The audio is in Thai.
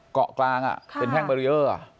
เกาะกลางอ่ะเป็นแห้งบาเรียร์